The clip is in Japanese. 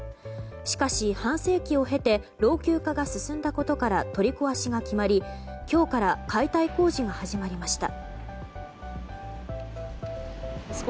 しかし、半世紀を経て老朽化が進んだことから取り壊しが決まり今日から解体工事が始まりました。